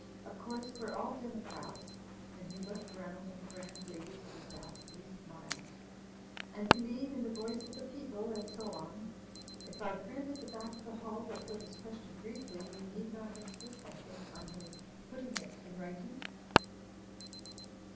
Of course, we're all Democrats," and he looked round at the grand ladies with a ghastly smile, "and believe in the Voice of the People and so on. If our friend at the back of the hall will put his question briefly, we need not insist, I think, on his putting it in writing?"